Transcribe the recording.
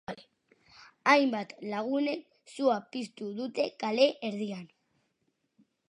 Hainbat lagunek sua piztu dute kale erdian.